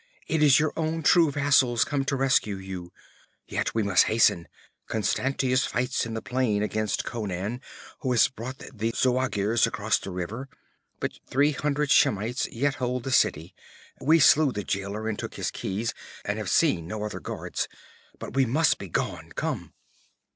'It is your own true vassals come to rescue you! Yet we must hasten. Constantius fights in the plain against Conan, who has brought the Zuagirs across the river, but three hundred Shemites yet hold the city. We slew the jailer and took his keys, and have seen no other guards. But we must be gone. Come!'